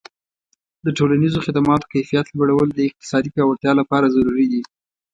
د ټولنیزو خدماتو کیفیت لوړول د اقتصادي پیاوړتیا لپاره ضروري دي.